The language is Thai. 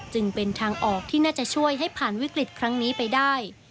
จึงเป็นทางออกที่น่าจะช่วยให้ผ่านวิกฤตครั้งนี้ไปได้